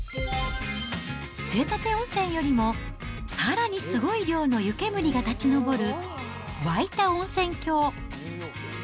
杖立温泉よりもさらにすごい量の湯煙が立ち上るわいた温泉郷。